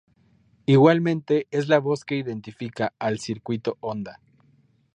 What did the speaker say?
Igualmente es la voz que identifica al "Circuito Onda".